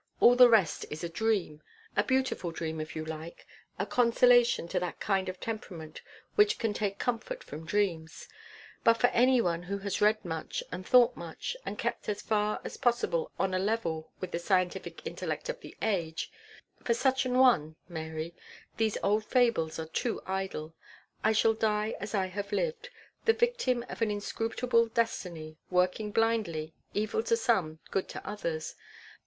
All the rest is a dream a beautiful dream, if you like a consolation to that kind of temperament which can take comfort from dreams; but for anyone who has read much, and thought much, and kept as far as possible on a level with the scientific intellect of the age for such an one, Mary, these old fables are too idle. I shall die as I have lived, the victim of an inscrutable destiny, working blindly, evil to some, good to others.